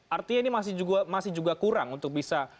artinya ini masih juga masih juga kurang untuk bisa